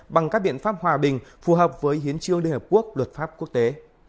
bằng các biện pháp hòa bình phù hợp với hiến trương liên hợp quốc luật pháp quốc tế